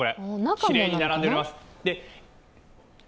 きれいに並んでいます。